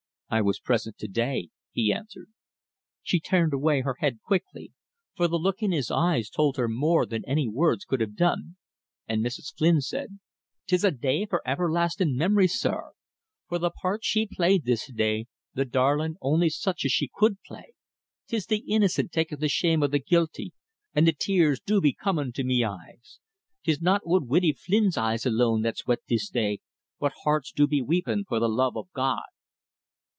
"I was present to day," he answered. She turned away her head quickly, for the look in his eyes told her more than any words could have done, and Mrs. Flynn said: "'Tis a day for everlastin' mimory, sir. For the part she played this day, the darlin', only such as she could play! 'Tis the innocent takin' the shame o' the guilty, and the tears do be comin' to me eyes. 'Tis not ould Widdy Flynn's eyes alone that's wet this day, but hearts do be weepin' for the love o' God."